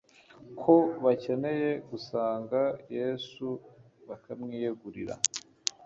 ko bakeneye gusanga Yesu bakamwiyegurira